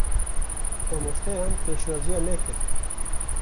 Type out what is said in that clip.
Mamosteyan pêşwaziya me kir.